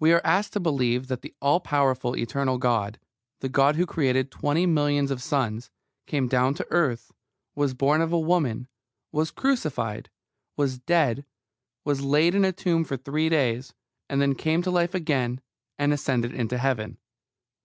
We are asked to believe that the all powerful eternal God, the God who created twenty millions of suns, came down to earth, was born of a woman, was crucified, was dead, was laid in a tomb for three days, and then came to life again, and ascended into Heaven.